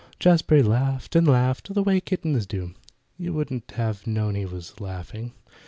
Jazbury laughed and laughed, the way kittens do. You wouldn't have known he was laughing.